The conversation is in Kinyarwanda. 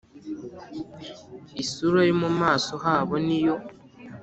Isura yo mu maso habo ni yo